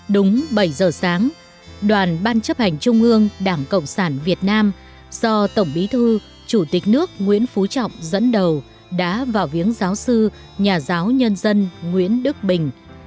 đúng bảy giờ sáng đoàn ban chấp hành trung ương đảng cộng sản việt nam do tổng bí thư chủ tịch nước nguyễn phú trọng dẫn đầu đã vào viếng giáo sư nhà giáo nhân dân nguyễn đức bình